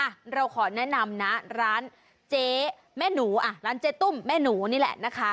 หนาร้านแซแม่หนูอ่ะล้านเจ้ตุ้้มแม่หนูเนี้ยแหละนะคะ